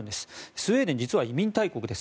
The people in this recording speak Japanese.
スウェーデン実は移民大国です。